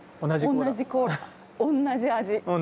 同じ味。